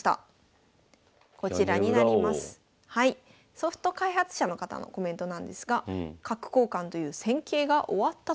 ソフト開発者の方のコメントなんですが「角交換と言う戦型が終わった」と。